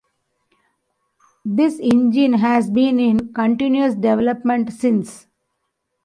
This engine has been in continuous development since.